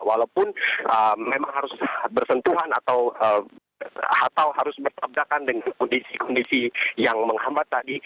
walaupun memang harus bersentuhan atau harus bertabrakan dengan kondisi kondisi yang menghambat tadi